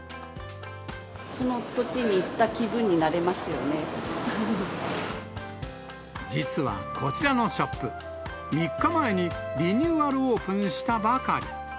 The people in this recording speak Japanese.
その土地に行った気分になれ実は、こちらのショップ、３日前にリニューアルオープンしたばかり。